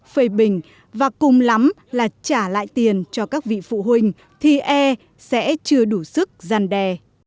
phê bình và cùng lắm là trả lại tiền cho các vị phụ huynh thì e sẽ chưa đủ sức gian đe